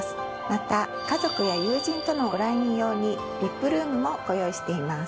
また家族や友人とのご来院用にＶＩＰルームもご用意しています。